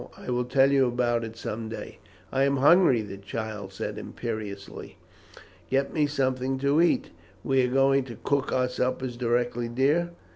I will tell you about it some day." "I am hungry," the child said imperiously. "Get me something to eat." "We are going to cook our suppers directly, dear.